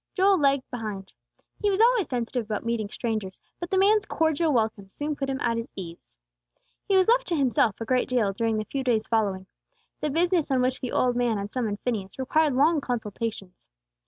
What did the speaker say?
Joel lagged behind. He was always sensitive about meeting strangers; but the man's cordial welcome soon put him at his ease. He was left to himself a great deal during the few days following. The business on which the old man had summoned Phineas required long consultations.